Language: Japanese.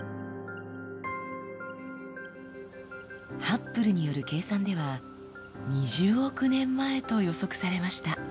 ハッブルによる計算では２０億年前と予測されました。